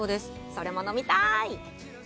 それも飲みたーい！